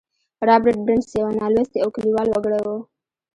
رابرټ برنس يو نالوستی او کليوال وګړی و.